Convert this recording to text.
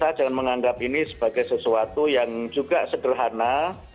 saya jangan menganggap ini sebagai sesuatu yang juga sederhana